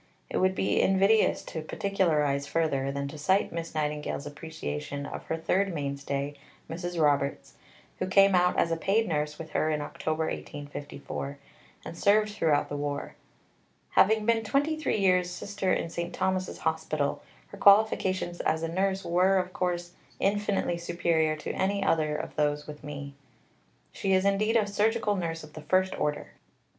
It would be invidious to particularize further than to cite Miss Nightingale's appreciation of her third mainstay, Mrs. Roberts, who came out as a paid nurse with her in October 1854, and served throughout the war: "Having been 23 years Sister in St. Thomas's Hospital, her qualifications as a nurse were, of course, infinitely superior to any other of those with me. She is indeed a surgical nurse of the first order.